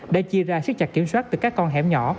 đã chia ra siết chặt kiểm soát từ các con hẻm nhỏ